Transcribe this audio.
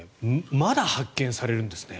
まだ発見されるんですね。